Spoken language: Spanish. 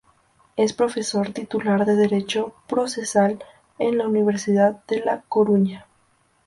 Es profesor titular de Derecho Procesal en la Universidad de La Coruña.